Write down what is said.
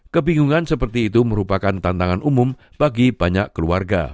kebingungan seperti itu merupakan tantangan umum bagi banyak keluarga